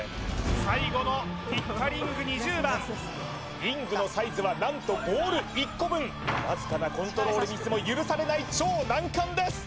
最後のピッタリング２０番リングのサイズは何とボール１個分わずかなコントロールミスも許されない超難関です